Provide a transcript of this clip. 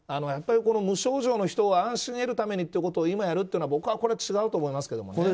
やっぱり無症状の人の安心を得るためにということを今やるというのは僕は違うと思いますけど。